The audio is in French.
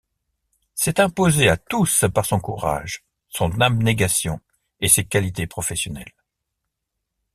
S’est imposé à tous par son courage, son abnégation et ses qualités professionnelles.